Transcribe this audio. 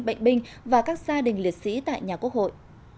bệnh binh và các gia đình liệt sĩ tại nhà quốc hội